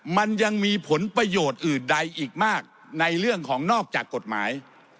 มันยังมีผลประโยชน์อื่นใดอีกมากในเรื่องของนอกจากกฎหมาย